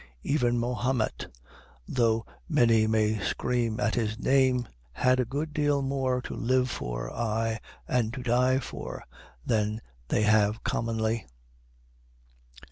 Even Mahomet, though many may scream at his name, had a good deal more to live for, ay, and to die for, than they have commonly.